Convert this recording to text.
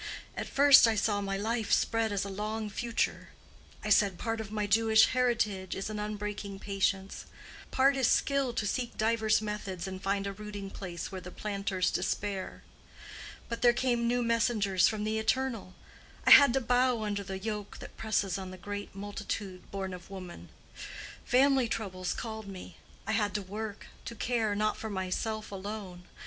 At first I saw my life spread as a long future: I said part of my Jewish heritage is an unbreaking patience; part is skill to seek divers methods and find a rooting place where the planters despair. But there came new messengers from the Eternal. I had to bow under the yoke that presses on the great multitude born of woman: family troubles called me—I had to work, to care, not for myself alone.